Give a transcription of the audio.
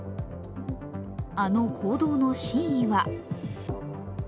あの行動の真意は？